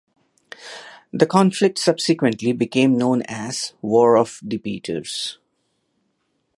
The conflict subsequently became known as "War of the Peters".